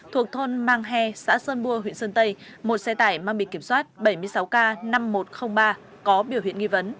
thuộc thôn mang he xã sơn bua huyện sơn tây một xe tải mang bị kiểm soát bảy mươi sáu k năm nghìn một trăm linh ba có biểu hiện nghi vấn